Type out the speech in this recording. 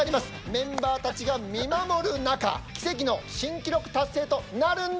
メンバーたちが見守る中奇跡の新記録達成となるんでしょうか？